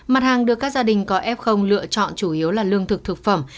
mặt hàng được các gia đình có f lựa chọn chủ yếu là lương thực thực phẩm